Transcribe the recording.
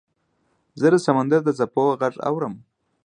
زه د سمندر د څپو غږ اورم .